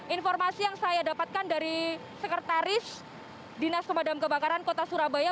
informasi yang saya dapatkan dari sekretaris dinas pemadam kebakaran kota surabaya